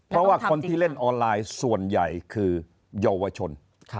เพราะว่าคนที่เล่นออนไลน์ส่วนใหญ่คือเยาวชน